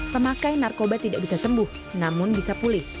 pemakai narkoba tidak bisa sembuh namun bisa pulih